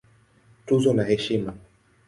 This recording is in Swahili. Tuzo na Heshima